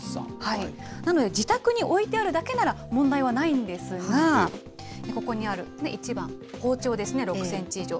なので、自宅に置いてあるだけなら問題はないんですが、ここにある１番、包丁ですね、６センチ以上。